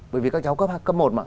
bởi vì các cháu cấp một mà